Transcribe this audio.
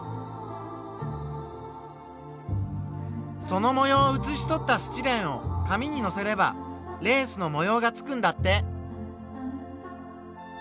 その模様をうつしとったスチレンを紙にのせればレースの模様がつくんだって。